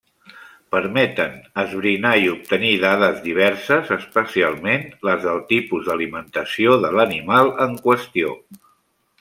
Permeten esbrinar obtenir dades diverses especialment les del tipus d'alimentació de l'animal en qüestió.